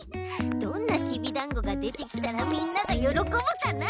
どんなきびだんごがでてきたらみんながよろこぶかな？